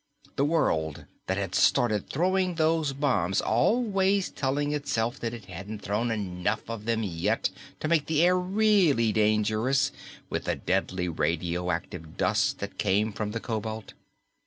The world that had started throwing those bombs, always telling itself that it hadn't thrown enough of them yet to make the air really dangerous with the deadly radioactive dust that came from the cobalt.